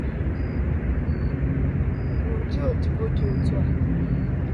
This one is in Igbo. N’ụdị odibo dị otu a